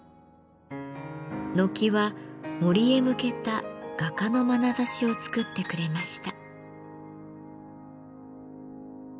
軒は森へ向けた画家のまなざしを作ってくれました。